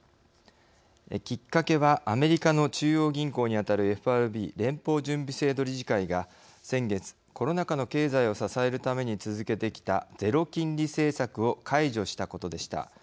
きっかけはアメリカの中央銀行にあたるＦＲＢ＝連邦準備制度理事会が先月コロナ禍の経済を支えるために続けてきたゼロ金利政策を解除したことでした。